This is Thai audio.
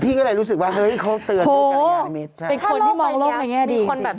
พี่ขับรถไปเจอแบบ